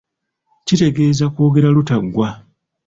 Kitegeeza kwogera lutaggwa.